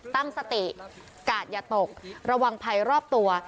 ตั้งสติกาดอย่าตกระวังภัยรอบตัว